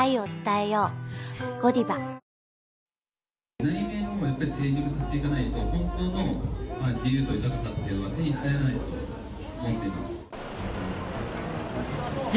内面のほうをやっぱり成熟させていかないと、本当の自由と豊かさというのは手に入らないと思っています。